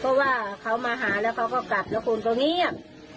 เพราะว่าเขามาหาแล้วเขาก็กลับแล้วคนเขาเงียบ